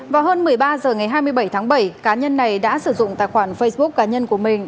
vào hơn một mươi ba h ngày hai mươi bảy tháng bảy cá nhân này đã sử dụng tài khoản facebook cá nhân của mình